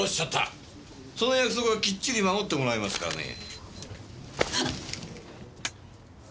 その約束はきっちり守ってもらいますからね。